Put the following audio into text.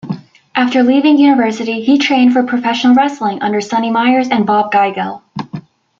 After leaving university, he trained for professional wrestling under Sonny Myers and Bob Geigel.